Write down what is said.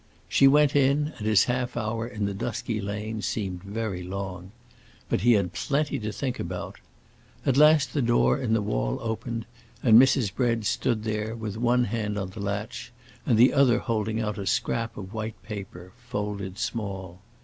She went in, and his half hour in the dusky lane seemed very long. But he had plenty to think about. At last the door in the wall opened and Mrs. Bread stood there, with one hand on the latch and the other holding out a scrap of white paper, folded small.